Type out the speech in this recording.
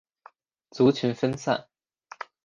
族群分散。